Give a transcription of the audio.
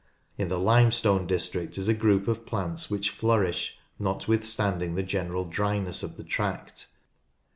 In the limestone district is a group of plants which flourish, notwithstanding the general dryness of the tract.